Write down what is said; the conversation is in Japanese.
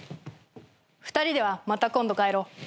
２人ではまた今度帰ろう。